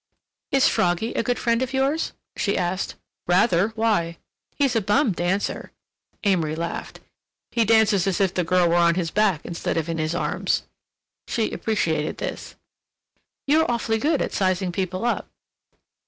"Is Froggy a good friend of yours?" she asked. "Rather—why?" "He's a bum dancer." Amory laughed. "He dances as if the girl were on his back instead of in his arms." She appreciated this. "You're awfully good at sizing people up."